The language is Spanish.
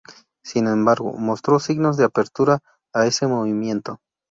Sin embargo, mostró signos de apertura a ese movimiento.